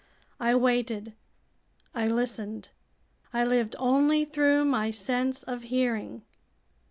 I waited, I listened, I lived only through my sense of hearing!